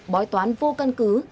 bói toán vô căn cứ